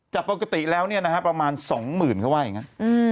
จากปกติแล้วเนี่ยนะฮะประมาณ๒๐๐๐เขาว่าอย่างนั้น